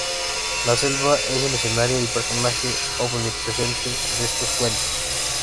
La selva es el escenario y personaje omnipresente de estos cuentos.